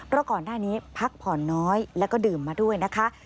เพราะก่อนหน้านี้พักผ่อนน้อยแล้วก็ดื่มมาด้วยนะคะ